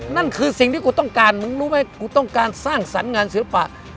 นั่นคือสิ่งที่กูต้องการมึงรู้ไหมกูต้องการสร้างสรรค์งานศิลปะ